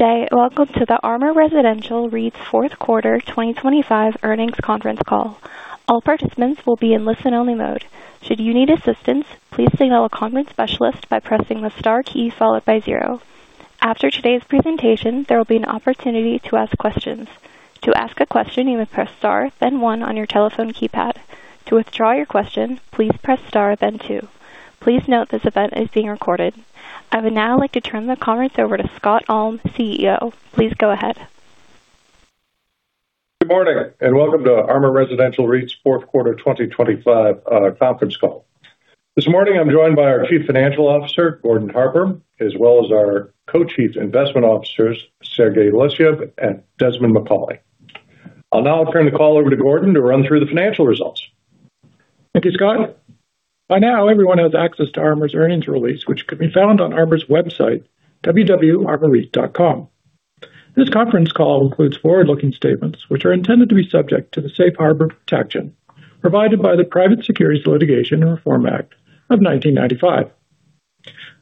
Good day. Welcome to the ARMOUR Residential REIT's Fourth Quarter 2025 Earnings Conference Call. All participants will be in listen-only mode. Should you need assistance, please signal a conference specialist by pressing the star key followed by zero. After today's presentation, there will be an opportunity to ask questions. To ask a question, you may press star, then one on your telephone keypad. To withdraw your question, please press star, then two. Please note, this event is being recorded. I would now like to turn the conference over to Scott Ulm, CEO. Please go ahead. Good morning, and welcome to ARMOUR Residential REIT's fourth quarter 2025 conference call. This morning, I'm joined by our Chief Financial Officer, Gordon Harper, as well as our Co-Chief Investment Officers, Sergey Losyev and Desmond Macauley. I'll now turn the call over to Gordon to run through the financial results. Thank you, Scott. By now, everyone has access to ARMOUR's earnings release, which can be found on ARMOUR's website, www.armourreit.com. This conference call includes forward-looking statements, which are intended to be subject to the safe harbor protection provided by the Private Securities Litigation Reform Act of 1995.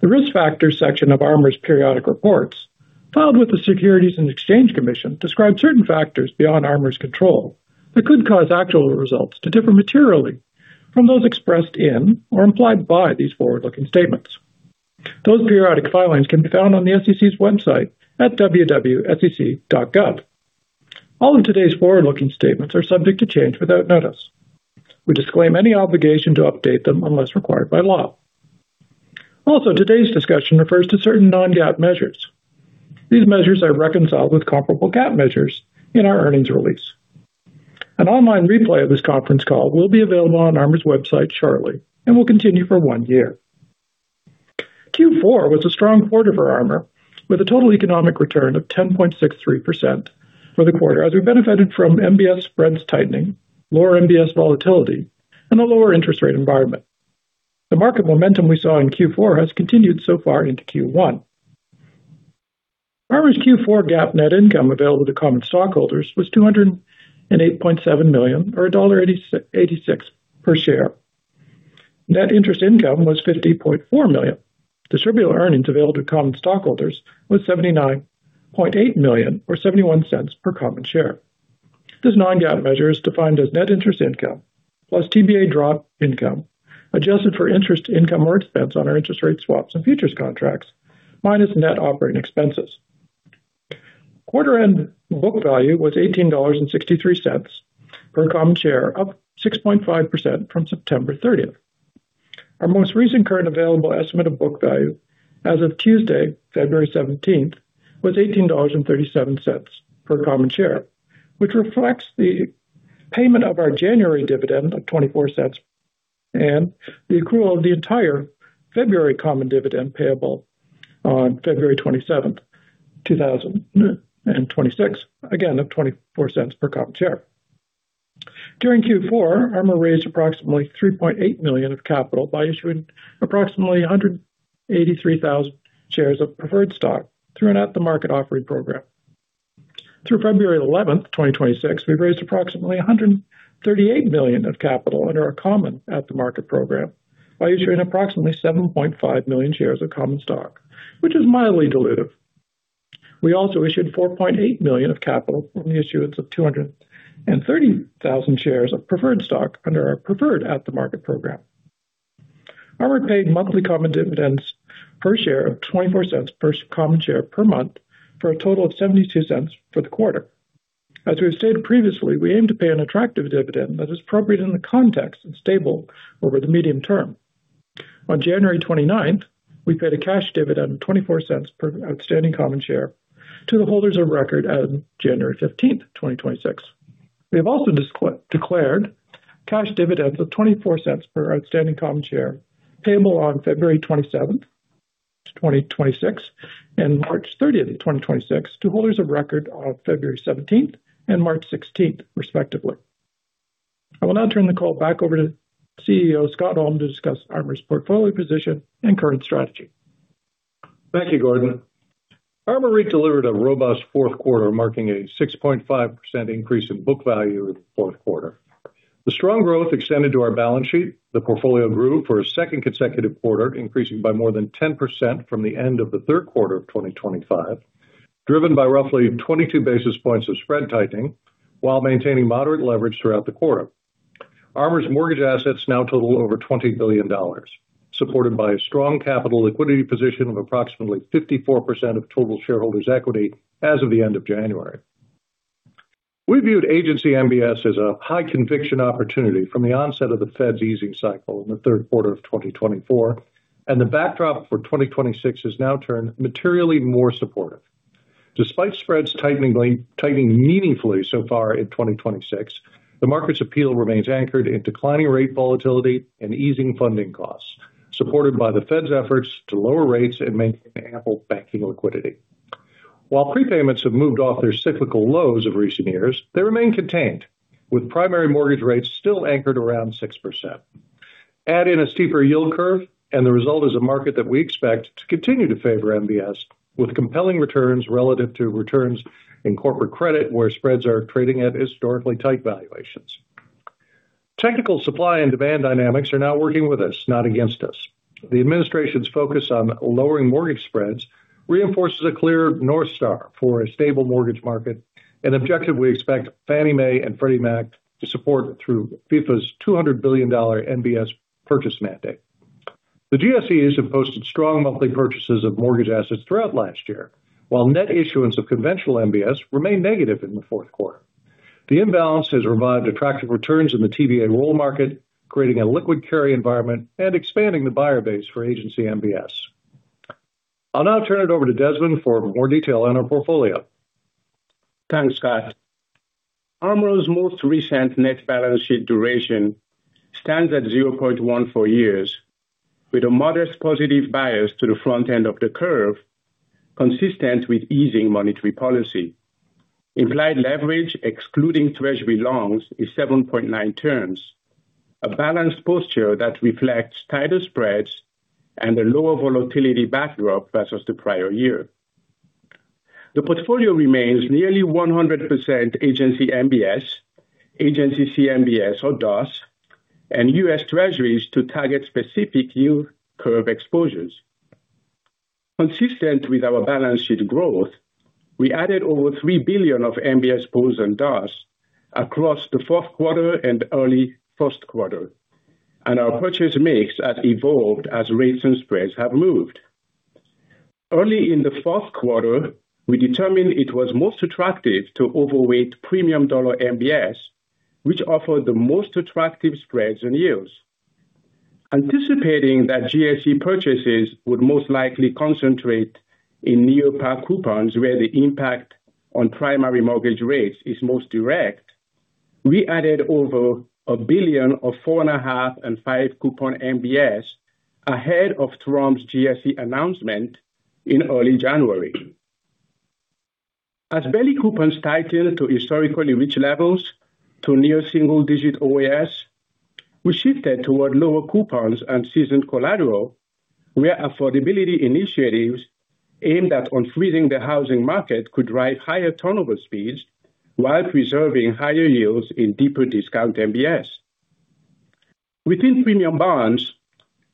The Risk Factors section of ARMOUR's periodic reports, filed with the Securities and Exchange Commission, describe certain factors beyond ARMOUR's control that could cause actual results to differ materially from those expressed in or implied by these forward-looking statements. Those periodic filings can be found on the SEC's website at www.sec.gov. All of today's forward-looking statements are subject to change without notice. We disclaim any obligation to update them unless required by law. Also, today's discussion refers to certain non-GAAP measures. These measures are reconciled with comparable GAAP measures in our earnings release. An online replay of this conference call will be available on ARMOUR's website shortly and will continue for one year. Q4 was a strong quarter for ARMOUR, with a total economic return of 10.63% for the quarter, as we benefited from MBS spreads tightening, lower MBS volatility, and a lower interest rate environment. The market momentum we saw in Q4 has continued so far into Q1. ARMOUR's Q4 GAAP net income available to common stockholders was $208.7 million, or $1.86 per share. Net interest income was $50.4 million. Distributable earnings available to common stockholders was $79.8 million or $0.71 per common share. This non-GAAP measure is defined as net interest income, plus TBA drop income, adjusted for interest income or expense on our interest rate swaps and futures contracts, minus net operating expenses. Quarter-end book value was $18.63 per common share, up 6.5% from September 30. Our most recent current available estimate of book value as of Tuesday, February 17, was $18.37 per common share, which reflects the payment of our January dividend of $0.24 and the accrual of the entire February common dividend payable on February 27, 2026, again, of $0.24 per common share. During Q4, ARMOUR raised approximately $3.8 million of capital by issuing approximately 183,000 shares of preferred stock through an at-the-market offering program. Through February 11, 2026, we've raised approximately $138 million of capital under our common-at-the-market program by issuing approximately 7.5 million shares of common stock, which is mildly dilutive. We also issued $4.8 million of capital from the issuance of 230,000 shares of preferred stock under our preferred at-the-market program. ARMOUR paid monthly common dividends per share of $0.24 per common share per month, for a total of $0.72 for the quarter. As we've stated previously, we aim to pay an attractive dividend that is appropriate in the context and stable over the medium term. On January 29th, we paid a cash dividend of $0.24 per outstanding common share to the holders of record as of January 15th, 2026. We have also declared cash dividends of $0.24 per outstanding common share, payable on February 27th, 2026, and March 30th, 2026, to holders of record on February 17th and March 16th, respectively. I will now turn the call back over to CEO, Scott Ulm, to discuss ARMOUR's portfolio position and current strategy. Thank you, Gordon. ARMOUR delivered a robust fourth quarter, marking a 6.5% increase in book value in the fourth quarter. The strong growth extended to our balance sheet. The portfolio grew for a second consecutive quarter, increasing by more than 10% from the end of the third quarter of 2025, driven by roughly 22 basis points of spread tightening while maintaining moderate leverage throughout the quarter. ARMOUR's mortgage assets now total over $20 billion, supported by a strong capital liquidity position of approximately 54% of total shareholders' equity as of the end of January. We viewed agency MBS as a high conviction opportunity from the onset of the Fed's easing cycle in the third quarter of 2024, and the backdrop for 2026 has now turned materially more supportive. Despite spreads tightening, tightening meaningfully so far in 2026, the market's appeal remains anchored in declining rate volatility and easing funding costs, supported by the Fed's efforts to lower rates and maintain ample banking liquidity. While prepayments have moved off their cyclical lows of recent years, they remain contained, with primary mortgage rates still anchored around 6%. Add in a steeper yield curve, and the result is a market that we expect to continue to favor MBS, with compelling returns relative to returns in corporate credit, where spreads are trading at historically tight valuations.... Technical supply and demand dynamics are now working with us, not against us. The administration's focus on lowering mortgage spreads reinforces a clear North Star for a stable mortgage market, an objective we expect Fannie Mae and Freddie Mac to support through FHFA's $200 billion MBS purchase mandate. The GSEs have posted strong monthly purchases of mortgage assets throughout last year, while net issuance of conventional MBS remained negative in the fourth quarter. The imbalance has revived attractive returns in the TBA roll market, creating a liquid carry environment and expanding the buyer base for agency MBS. I'll now turn it over to Desmond for more detail on our portfolio. Thanks, Scott. ARMOUR's most recent net balance sheet duration stands at 0.14 years, with a modest positive bias to the front end of the curve, consistent with easing monetary policy. Implied leverage, excluding Treasury longs, is 7.9 times, a balanced posture that reflects tighter spreads and a lower volatility backdrop versus the prior year. The portfolio remains nearly 100% agency MBS, agency CMBS or DUS, and US Treasuries to target specific yield curve exposures. Consistent with our balance sheet growth, we added over $3 billion of MBS pools and DUS across the fourth quarter and early first quarter, and our purchase mix has evolved as rates and spreads have moved. Early in the fourth quarter, we determined it was most attractive to overweight premium dollar MBS, which offered the most attractive spreads and yields. Anticipating that GSE purchases would most likely concentrate in near-par coupons, where the impact on primary mortgage rates is most direct, we added over $1 billion of 4.5- and five-coupon MBS ahead of Trump's GSE announcement in early January. As belly coupons tighten to historically rich levels to near single-digit OAS, we shifted toward lower coupons and seasoned collateral, where affordability initiatives aimed at unfreezing the housing market could drive higher turnover speeds while preserving higher yields in deeper discount MBS. Within premium bonds,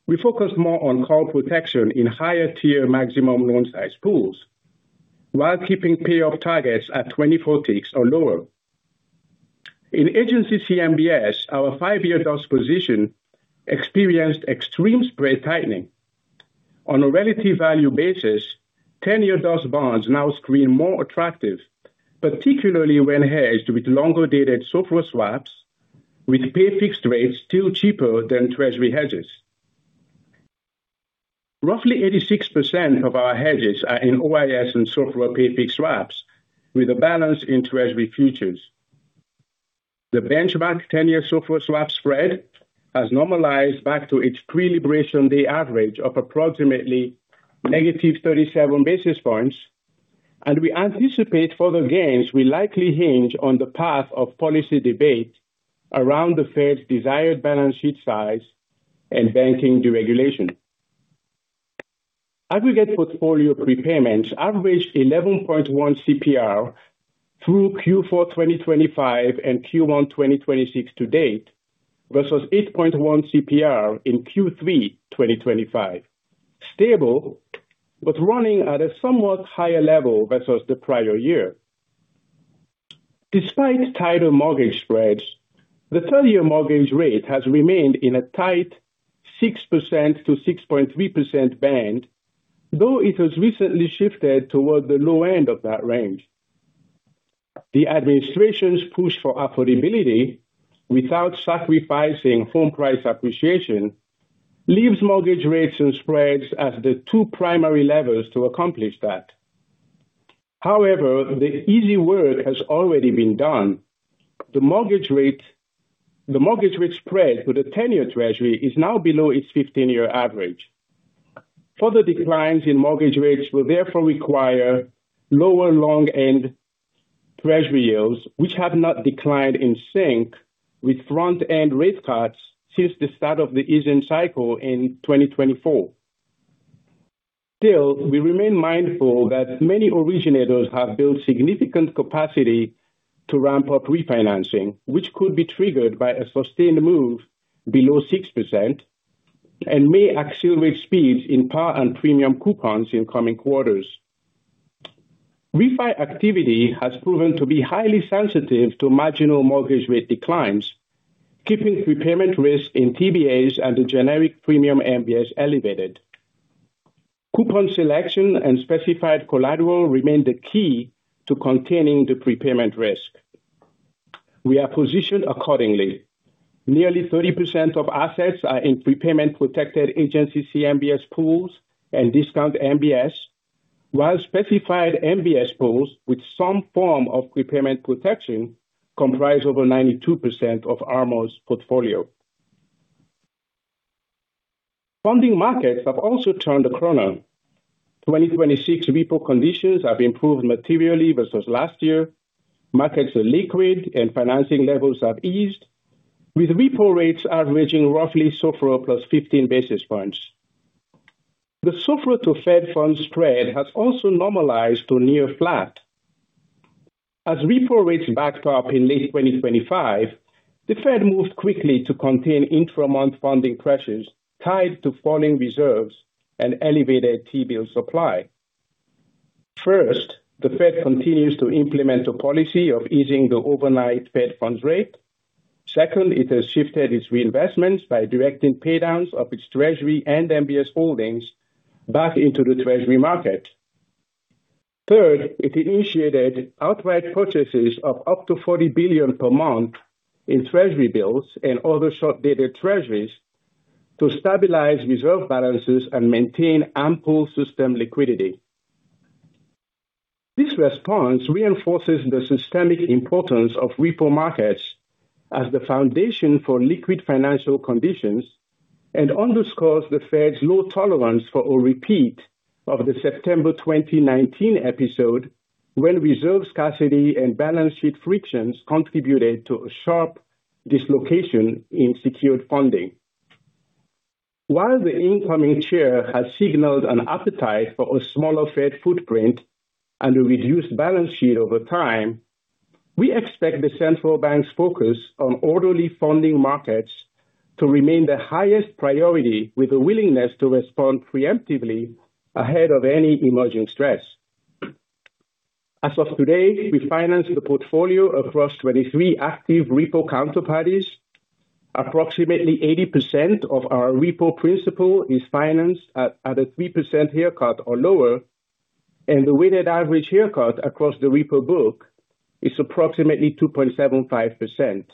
we focus more on call protection in higher tier maximum loan size pools, while keeping payoff targets at 24 ticks or lower. In agency CMBS, our five-year DUS position experienced extreme spread tightening. On a relative value basis, 10-year DUS bonds now screen more attractive, particularly when hedged with longer-dated SOFR swaps, with pay fixed rates still cheaper than Treasury hedges. Roughly 86% of our hedges are in OAS and SOFR pay fixed swaps, with a balance in Treasury futures. The benchmark 10-year SOFR swap spread has normalized back to its pre-LIBOR day average of approximately -37 basis points, and we anticipate further gains will likely hinge on the path of policy debate around the Fed's desired balance sheet size and banking deregulation. Aggregate portfolio prepayments averaged 11.1 CPR through Q4 2025 and Q1 2026 to date, versus 8.1 CPR in Q3 2025. Stable, but running at a somewhat higher level versus the prior year. Despite tighter mortgage spreads, the 30-year mortgage rate has remained in a tight 6%-6.3% band, though it has recently shifted toward the low end of that range. The administration's push for affordability without sacrificing home price appreciation leaves mortgage rates and spreads as the two primary levers to accomplish that. However, the easy work has already been done. The mortgage rate, the mortgage rate spread for the 10-year Treasury is now below its 15-year average. Further declines in mortgage rates will therefore require lower long-end Treasury yields, which have not declined in sync with front-end rate cuts since the start of the easing cycle in 2024. Still, we remain mindful that many originators have built significant capacity to ramp up refinancing, which could be triggered by a sustained move below 6% and may accelerate speeds in par and premium coupons in coming quarters. Refi activity has proven to be highly sensitive to marginal mortgage rate declines, keeping prepayment risk in TBAs and the generic premium MBS elevated. Coupon selection and specified collateral remain the key to containing the prepayment risk. We are positioned accordingly. Nearly 30% of assets are in prepayment-protected Agency CMBS pools and discount MBS, while specified MBS pools with some form of prepayment protection comprise over 92% of ARMOUR's portfolio. Funding markets have also turned a corner. 2026 repo conditions have improved materially versus last year. Markets are liquid and financing levels have eased, with repo rates averaging roughly SOFR plus 15 basis points.... The SOFR to Fed funds spread has also normalized to near flat. As repo rates backed up in late 2025, the Fed moved quickly to contain intra-month funding pressures tied to falling reserves and elevated T-bill supply. First, the Fed continues to implement a policy of easing the overnight Fed funds rate. Second, it has shifted its reinvestments by directing pay downs of its Treasury and MBS holdings back into the Treasury market. Third, it initiated outright purchases of up to $40 billion per month in Treasury bills and other short-dated Treasuries to stabilize reserve balances and maintain ample system liquidity. This response reinforces the systemic importance of repo markets as the foundation for liquid financial conditions and underscores the Fed's low tolerance for a repeat of the September 2019 episode, when reserve scarcity and balance sheet frictions contributed to a sharp dislocation in secured funding. While the incoming chair has signaled an appetite for a smaller Fed footprint and a reduced balance sheet over time, we expect the central bank's focus on orderly funding markets to remain the highest priority, with a willingness to respond preemptively ahead of any emerging stress. As of today, we finance the portfolio across 23 active repo counterparties. Approximately 80% of our repo principal is financed at a 3% haircut or lower, and the weighted average haircut across the repo book is approximately 2.75%.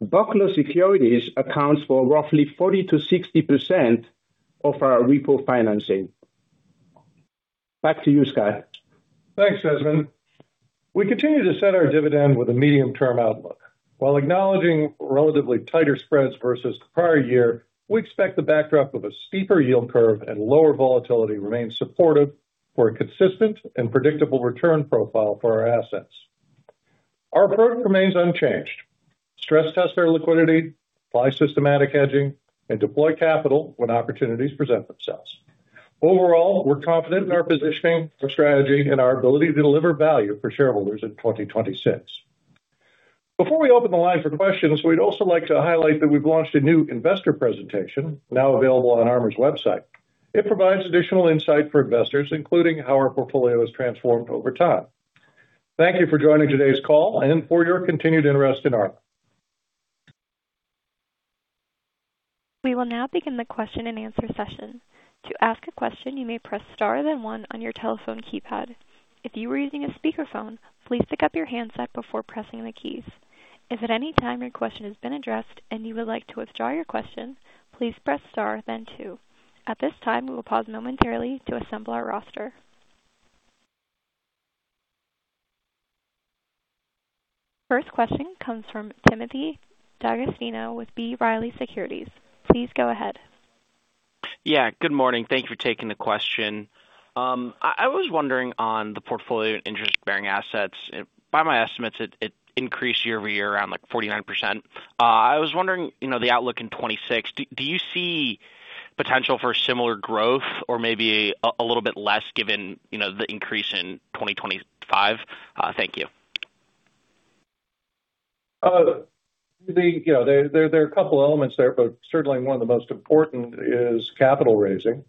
Buckler Securities accounts for roughly 40%-60% of our repo financing. Back to you, Scott. Thanks, Desmond. We continue to set our dividend with a medium-term outlook. While acknowledging relatively tighter spreads versus the prior year, we expect the backdrop of a steeper yield curve and lower volatility remains supportive for a consistent and predictable return profile for our assets. Our approach remains unchanged: stress test our liquidity, apply systematic hedging, and deploy capital when opportunities present themselves. Overall, we're confident in our positioning, our strategy, and our ability to deliver value for shareholders in 2026. Before we open the line for questions, we'd also like to highlight that we've launched a new investor presentation, now available on ARMOUR's website. It provides additional insight for investors, including how our portfolio has transformed over time. Thank you for joining today's call and for your continued interest in ARMOUR. We will now begin the question-and-answer session. To ask a question, you may press star then one on your telephone keypad. If you are using a speakerphone, please pick up your handset before pressing the keys. If at any time your question has been addressed and you would like to withdraw your question, please press star then two. At this time, we will pause momentarily to assemble our roster. First question comes from Timothy D'Agostino with B. Riley Securities. Please go ahead. Yeah, good morning. Thank you for taking the question. I was wondering on the portfolio and interest-bearing assets. By my estimates, it increased year-over-year, around, like, 49%. I was wondering, you know, the outlook in 2026, do you see potential for similar growth or maybe a little bit less, given, you know, the increase in 2025? Thank you. You know, there are a couple elements there, but certainly one of the most important is capital raising.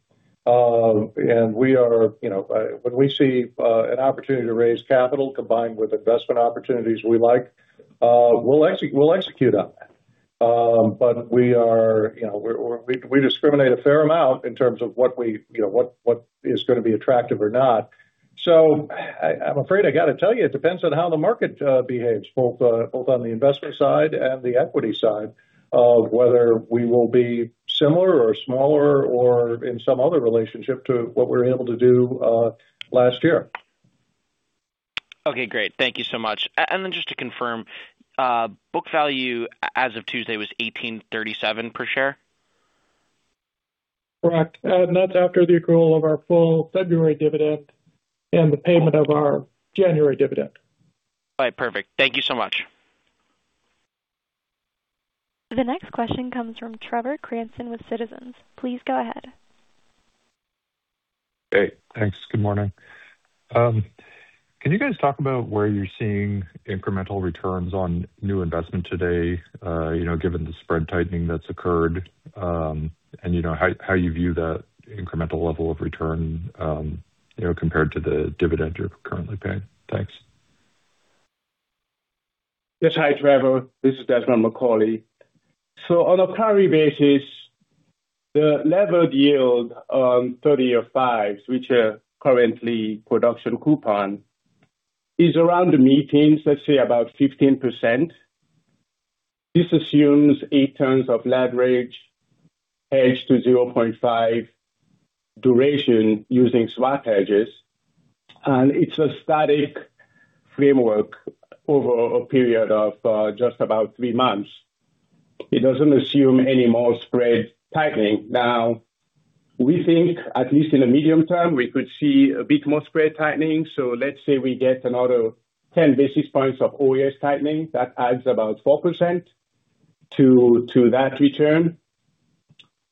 And we are, you know, when we see an opportunity to raise capital combined with investment opportunities we like, we'll execute on that. But we are, you know, we're, we discriminate a fair amount in terms of what we, you know, what is gonna be attractive or not. So, I'm afraid I got to tell you, it depends on how the market behaves, both on the investment side and the equity side, of whether we will be similar or smaller or in some other relationship to what we were able to do last year. Okay, great. Thank you so much. And then just to confirm, book value as of Tuesday was $18.37 per share? Correct. And that's after the accrual of our full February dividend and the payment of our January dividend. All right. Perfect. Thank you so much. The next question comes from Trevor Cranston with Citizens. Please go ahead. Hey, thanks. Good morning. Can you guys talk about where you're seeing incremental returns on new investment today, you know, given the spread tightening that's occurred, and, you know, how you view the incremental level of return, you know, compared to the dividend you're currently paying? Thanks. Yes. Hi, Trevor. This is Desmond Macauley. So on a current basis, the levered yield on 30-year 5s, which are currently production coupon, is around the mid-teens, let's say about 15%. This assumes eight turns of leverage, hedged to 0.5 duration using smart hedges, and it's a static framework over a period of just about three months. It doesn't assume any more spread tightening. Now, we think, at least in the medium term, we could see a bit more spread tightening. So let's say we get another 10 basis points of OAS tightening. That adds about 4%.... to that return.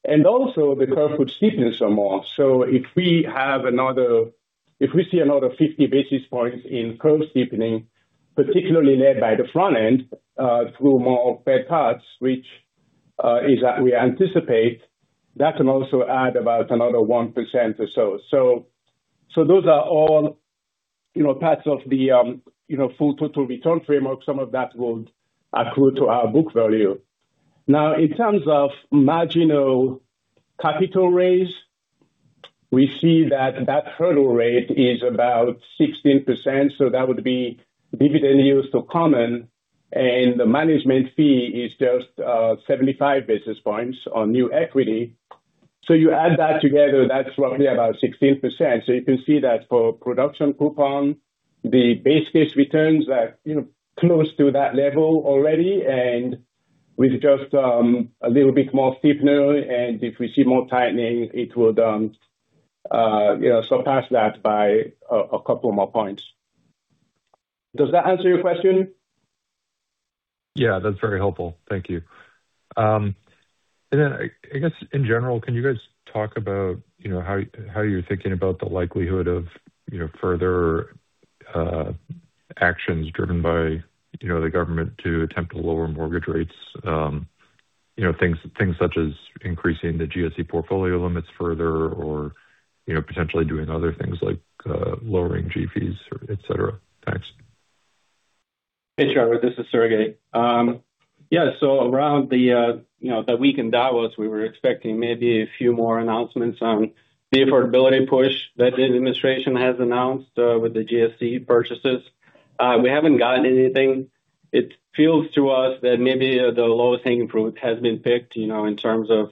And also the curve would steepen some more. So if we have another—if we see another 50 basis points in curve steepening, particularly led by the front end, through more fed cuts, which is that we anticipate, that can also add about another 1% or so. So those are all, you know, parts of the, you know, full total return framework. Some of that will accrue to our book value. Now, in terms of marginal capital raise, we see that that hurdle rate is about 16%, so that would be dividend use to common, and the management fee is just 75 basis points on new equity. So you add that together, that's roughly about 16%. So you can see that for production coupon, the base case returns are, you know, close to that level already, and with just a little bit more steepener, and if we see more tightening, it will, you know, surpass that by a couple more points. Does that answer your question? Yeah, that's very helpful. Thank you. And then I guess in general, can you guys talk about, you know, how you're thinking about the likelihood of, you know, further actions driven by, you know, the government to attempt to lower mortgage rates? You know, things such as increasing the GSE portfolio limits further or, you know, potentially doing other things like lowering G-fees, et cetera. Thanks. Hey, Trevor, this is Sergey. Yeah, so around the, you know, the week in Davos, we were expecting maybe a few more announcements on the affordability push that the administration has announced, with the GSE purchases. We haven't gotten anything. It feels to us that maybe the lowest hanging fruit has been picked, you know, in terms of,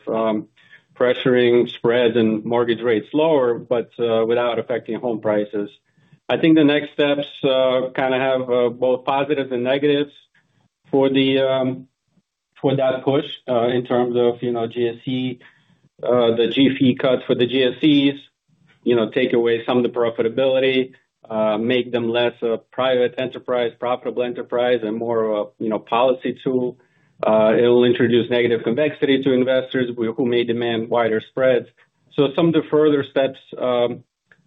pressuring spreads and mortgage rates lower, but, without affecting home prices. I think the next steps, kind of have, both positives and negatives for the, for that push, in terms of, you know, GSE, the G-fee cuts for the GSEs, you know, take away some of the profitability, make them less a private enterprise, profitable enterprise, and more of a, you know, policy tool. It'll introduce negative convexity to investors who may demand wider spreads. So some of the further steps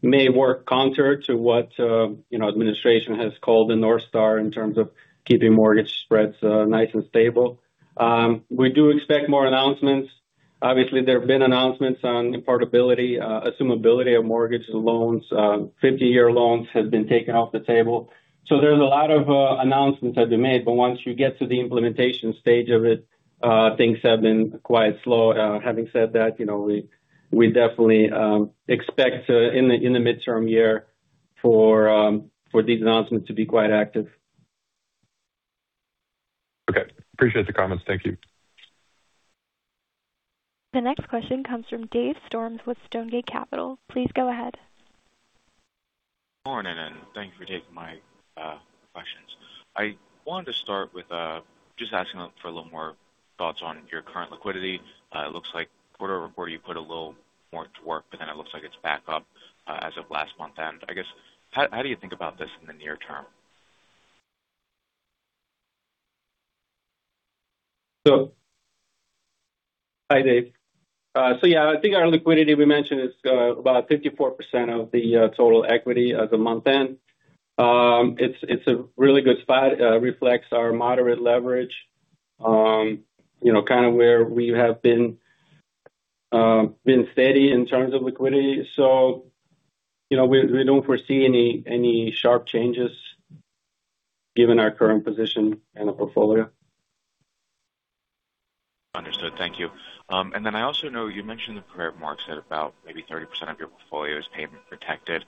may work counter to what, you know, administration has called the North Star in terms of keeping mortgage spreads nice and stable. We do expect more announcements. Obviously, there have been announcements on affordability, assumability of mortgage loans. 50-year loans have been taken off the table. So there's a lot of announcements that have been made, but once you get to the implementation stage of it, things have been quite slow. Having said that, you know, we definitely expect in the midterm year for these announcements to be quite active. Okay. Appreciate the comments. Thank you. The next question comes from Dave Storms with Stonegate Capital. Please go ahead. Morning, and thank you for taking my questions. I wanted to start with just asking for a little more thoughts on your current liquidity. It looks like quarter-over-quarter, you put a little more to work, but then it looks like it's back up as of last month end. I guess, how do you think about this in the near term? So hi, Dave. So yeah, I think our liquidity, we mentioned, is about 54% of the total equity at the month end. It's a really good spot, reflects our moderate leverage, you know, kind of where we have been, been steady in terms of liquidity. So, you know, we don't foresee any sharp changes given our current position in the portfolio. Understood. Thank you. And then I also know you mentioned the current marks at about maybe 30% of your portfolio is payment protected.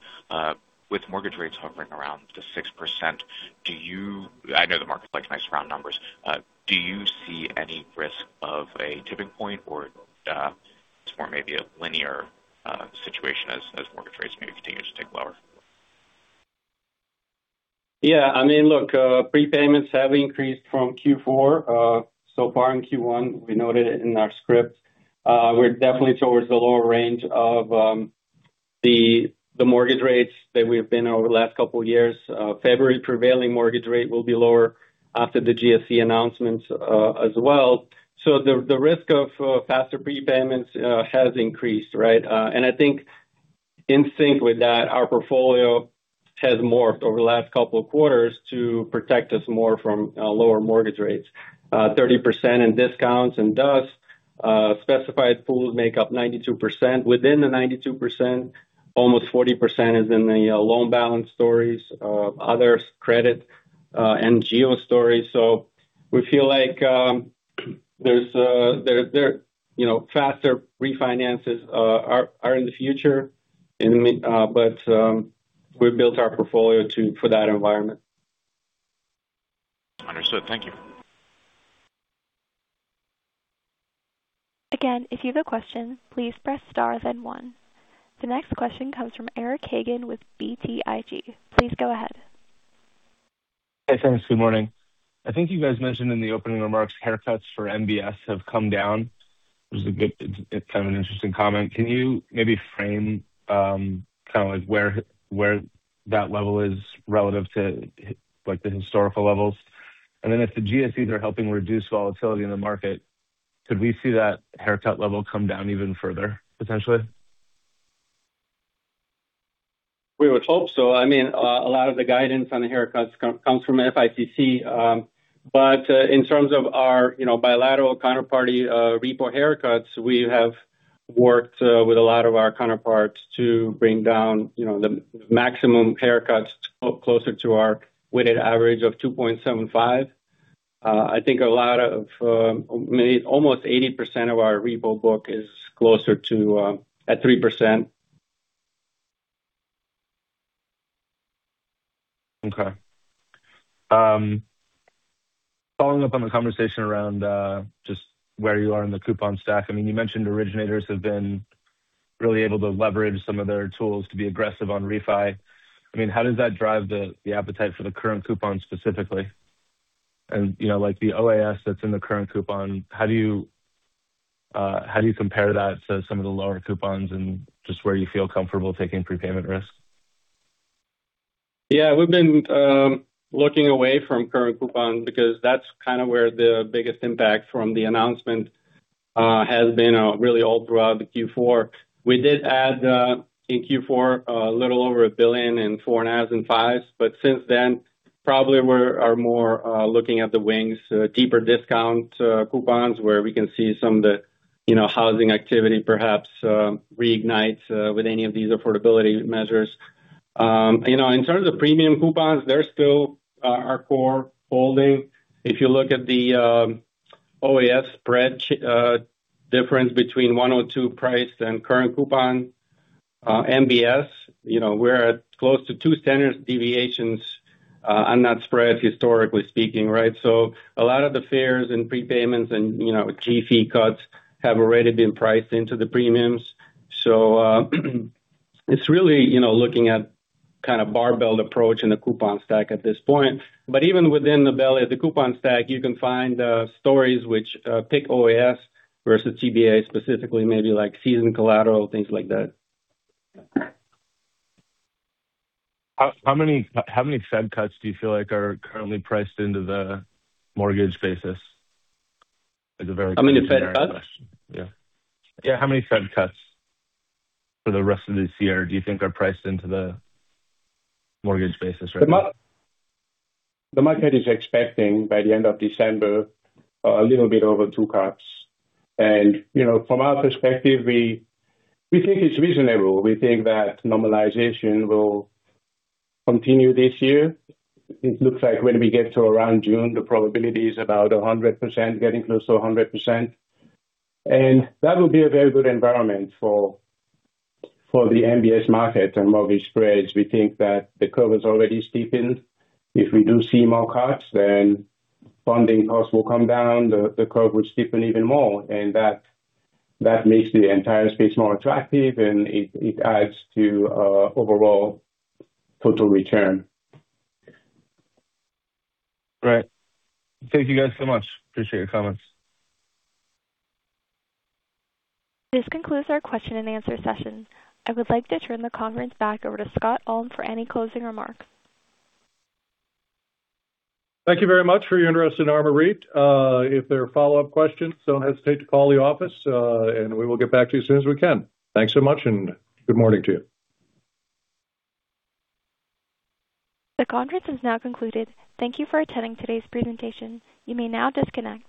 With mortgage rates hovering around the 6%, do you... I know the market likes nice round numbers, do you see any risk of a tipping point or, more maybe a linear situation as, as mortgage rates maybe continue to tick lower? Yeah, I mean, look, prepayments have increased from Q4, so far in Q1, we noted it in our script. We're definitely towards the lower range of the mortgage rates than we've been over the last couple of years. February prevailing mortgage rate will be lower after the GSE announcements, as well. So the risk of faster prepayments has increased, right? And I think in sync with that, our portfolio has morphed over the last couple of quarters to protect us more from lower mortgage rates. 30% in discounts and thus specified pools make up 92%. Within the 92%, almost 40% is in the loan balance stories, other credit, and geo stories. So we feel like, there's a there there, you know, faster refinances are in the future, but we've built our portfolio to... for that environment. Understood. Thank you. Again, if you have a question, please press star then one. The next question comes from Eric Hagen with BTIG. Please go ahead. Hey, thanks. Good morning. I think you guys mentioned in the opening remarks, haircuts for MBS have come down.... It was a good, it's kind of an interesting comment. Can you maybe frame, kind of like where, where that level is relative to, like, the historical levels? And then if the GSEs are helping reduce volatility in the market, could we see that haircut level come down even further, potentially? We would hope so. I mean, a lot of the guidance on the haircuts comes from FICC. But, in terms of our, you know, bilateral counterparty, repo haircuts, we have worked, with a lot of our counterparts to bring down, you know, the maximum haircuts closer to our weighted average of 2.75. I think a lot of, almost 80% of our repo book is closer to, at 3%. Okay. Following up on the conversation around just where you are in the coupon stack. I mean, you mentioned originators have been really able to leverage some of their tools to be aggressive on refi. I mean, how does that drive the appetite for the current coupon specifically? And, you know, like the OAS that's in the current coupon, how do you, how do you compare that to some of the lower coupons and just where you feel comfortable taking prepayment risk? Yeah, we've been looking away from current coupons because that's kind of where the biggest impact from the announcement has been really all throughout the Q4. We did add in Q4 a little over $1 billion in 4.5 and five's, but since then, probably we are more looking at the wings, deeper discount coupons, where we can see some of the, you know, housing activity perhaps reignite with any of these affordability measures. You know, in terms of premium coupons, they're still our core holding. If you look at the OAS spread difference between 102 price and current coupon MBS, you know, we're at close to two standard deviations on that spread, historically speaking, right? So a lot of the G-fees and prepayments and, you know, fee cuts have already been priced into the premiums. So, it's really, you know, looking at kind of barbell approach in the coupon stack at this point. But even within the belly, the coupon stack, you can find stories which pick OAS versus TBA, specifically, maybe like seasoned collateral, things like that. How many Fed cuts do you feel like are currently priced into the mortgage basis? It's a very- How many Fed cuts? Yeah. Yeah, how many Fed cuts for the rest of this year do you think are priced into the mortgage basis right now? The market is expecting by the end of December, a little bit over two cuts. And, you know, from our perspective, we think it's reasonable. We think that normalization will continue this year. It looks like when we get to around June, the probability is about 100%, getting close to 100%. And that will be a very good environment for the MBS market and mortgage spreads. We think that the curve is already steepened. If we do see more cuts, then funding costs will come down, the curve will steepen even more, and that makes the entire space more attractive and it adds to overall total return. Great. Thank you guys so much. Appreciate your comments. This concludes our question and answer session. I would like to turn the conference back over to Scott Ulm for any closing remarks. Thank you very much for your interest in ARMOUR REIT. If there are follow-up questions, don't hesitate to call the office, and we will get back to you as soon as we can. Thanks so much, and good morning to you. The conference is now concluded. Thank you for attending today's presentation. You may now disconnect.